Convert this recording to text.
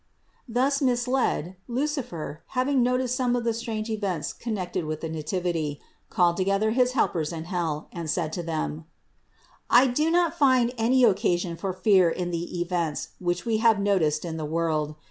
502. Thus misled, Lucifer, having noticed some of the strange events connected with the Nativity, called together his helpers in hell, and said to them : "I do not find any occasion for fear in the events, which we have noticed in the world.